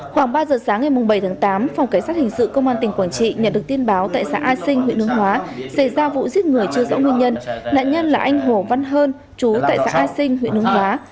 khoảng ba giờ sáng ngày bảy tháng tám phòng cảnh sát hình sự công an tỉnh quảng trị nhận được tin báo tại xã a sinh huyện hướng hóa xảy ra vụ giết người chưa rõ nguyên nhân nạn nhân là anh hồ văn hơn chú tại xã a sinh huyện hướng hóa